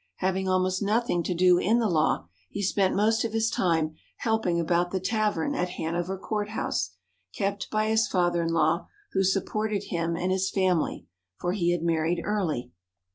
Having almost nothing to do in the law, he spent most of his time helping about the tavern at Hanover Court House, kept by his father in law, who supported him and his family, for he had married early.